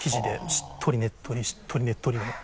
しっとりねっとりしっとりねっとりの。